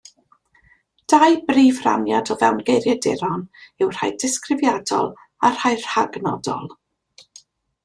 Dau brif raniad o fewn geiriaduron yw rhai disgrifiadol a rhai rhagnodol.